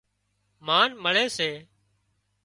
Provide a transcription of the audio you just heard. مانَ مۯي سي